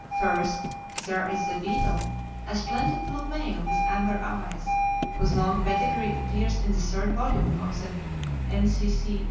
First, there is The Beadle, a splendid blue male with amber eyes, whose long pedigree appears in the third volume of the N.